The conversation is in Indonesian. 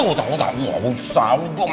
udah udah gak usah